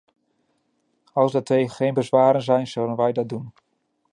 Als daartegen geen bezwaren zijn, zullen wij dat doen.